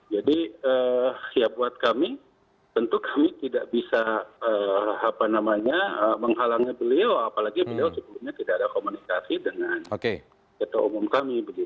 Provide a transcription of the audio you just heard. jadi ya buat kami tentu kami tidak bisa menghalangi beliau apalagi beliau sebelumnya tidak ada komunikasi dengan ketua umum kami